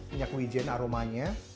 minyak wijen aromanya